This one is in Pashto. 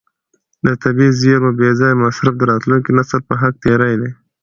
د طبیعي زیرمو بې ځایه مصرف د راتلونکي نسل په حق تېری دی.